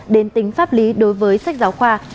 đến tính pháp lý đối với sách giáo khoa